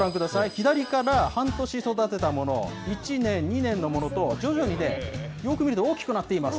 左から半年育てたもの、１年、２年のものと、徐々に、よく見ると大きくなっています。